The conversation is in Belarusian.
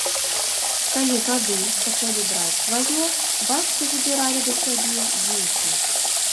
Калі гады пачалі браць сваё, бацьку забіралі да сябе дзеці.